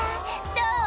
「どう？